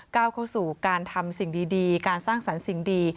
ก้าวเข้าสู่การทำสิ่งดีการสร้างสรรค์สิ่งดี